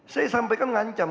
saya sampaikan ngancam